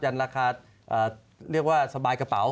ราคาเรียกว่าสบายกระเป๋า